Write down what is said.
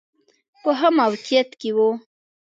په ښه موقعیت کې و.